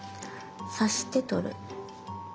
刺して取る。